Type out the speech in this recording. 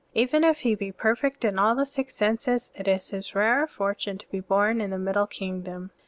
Even if he be per fect in all the six senses, it is his rare forttme to be bom in the middle kingdom.